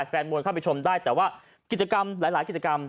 แฟนมวยเข้าไปชมได้แต่ว่ากิจกรรมหลายกิจกรรม